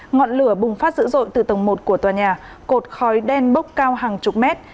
ngọn lửa bùng phát dữ dội từ tầng một của tòa nhà cột khói đen bốc cao hàng chục mét